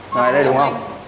ngày này đúng không